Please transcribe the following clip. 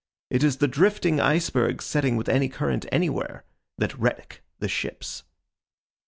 It is the drifting icebergs setting with any current anywhere, that wreck the ships.